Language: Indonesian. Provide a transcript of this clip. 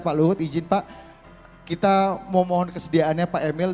pak luhut izin pak kita mau mohon kesediaannya pak emil